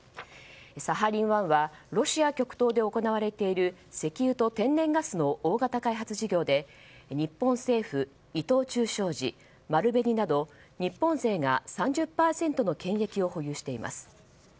サハリン１はロシア極東で行われている石油と天然ガスの大型開発事業で日本政府、伊藤忠商事、丸紅など日本勢が３０％の権益を保有しています。